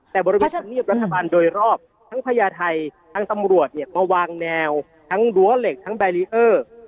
แต่บริเวณธรรมเนียบรัฐบาลโดยรอบทั้งพญาไทยทั้งตำรวจเนี่ยมาวางแนวทั้งรั้วเหล็กทั้งแบรีเออร์